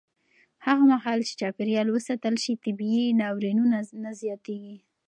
هغه مهال چې چاپېریال وساتل شي، طبیعي ناورینونه نه زیاتېږي.